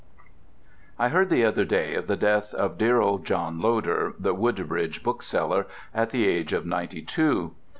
I heard the other day of the death of dear old John Loder, the Woodbridge bookseller, at the age of ninety two.